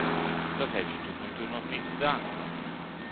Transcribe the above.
Dat heeft ze tot nu toe nog niet gedaan.